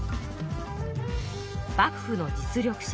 幕府の実力者。